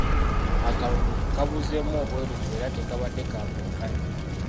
Akalulu kabuzeemu obwerufu era tekabadde ka bwenkanya.